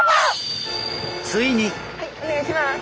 ついに！お願いします。